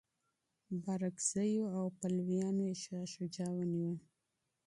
بارکزیو او پلویانو یې شاه شجاع ونیوه.